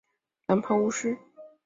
蓝袍巫师。